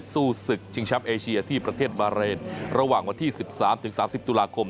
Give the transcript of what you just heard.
สู้สึกชิงช้ำเอเชียที่ประเทศวาเลนระหว่างวันที่สิบสามถึงสามสิบตุลาคม